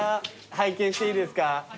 拝見していいですか？